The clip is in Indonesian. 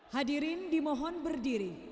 hadirin dimohon berdiri